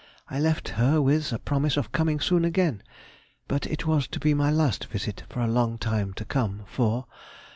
I left her with a promise of coming soon again, but it was to be my last visit for a long time to come, for....